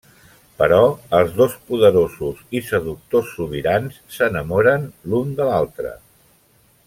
Però els dos poderosos i seductors sobirans s'enamoren l'un de l’altre.